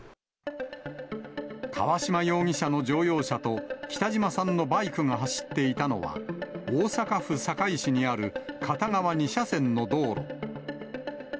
川島容疑者の乗用車と北島さんのバイクが走っていたのは、大阪府堺市にある片側２車線の道路。